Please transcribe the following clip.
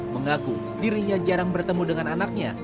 mengaku dirinya jarang bertemu dengan anaknya